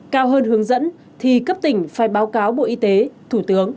cao hơn hướng dẫn thì cấp tỉnh phải báo cáo bộ y tế thủ tướng